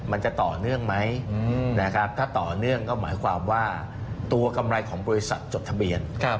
มันจะต่อเนื่องไหมนะครับถ้าต่อเนื่องก็หมายความว่าตัวกำไรของบริษัทจดทะเบียน